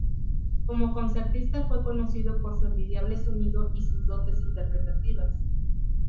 Como concertista fue conocido por su envidiable sonido y sus dotes interpretativas.